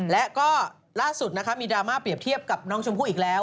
และก็ล่าสุดนะครับมีดราม่าเปรียบเทียบกับน้องชมพู่อีกแล้ว